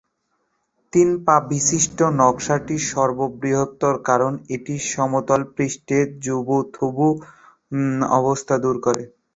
তিন পা বিশিষ্ট নকশাটি সর্বোত্তম কারণ এটি অসমতল পৃষ্ঠে জবুথবু অবস্থা দূর করে।